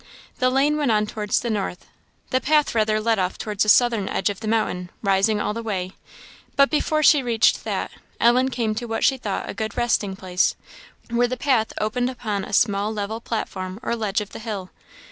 The lane went on towards the north; the path rather led off towards the southern edge of the mountain, rising all the while; but before she reached that, Ellen came to what she thought a good resting place, where the path opened upon a small level platform or ledge of the hill.